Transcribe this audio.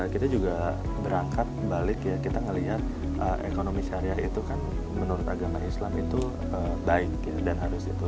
kita juga berangkat balik ya kita melihat ekonomi syariah itu kan menurut agama islam itu baik dan harus itu